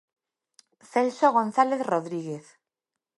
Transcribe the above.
Celso González Rodríguez.